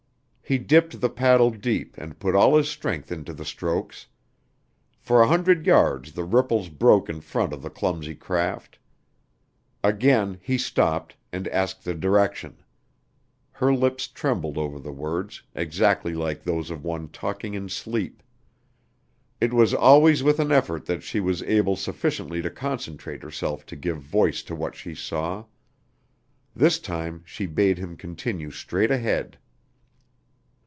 He dipped the paddle deep and put all his strength into the strokes. For a hundred yards the ripples broke in front of the clumsy craft. Again he stopped and asked the direction. Her lips trembled over the words, exactly like those of one talking in sleep. It was always with an effort that she was able sufficiently to concentrate herself to give voice to what she saw. This time she bade him continue straight ahead.